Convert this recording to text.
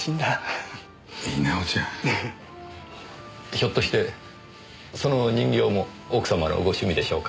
ひょっとしてその人形も奥様のご趣味でしょうか？